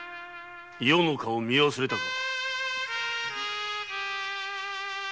余の顔を見忘れたか！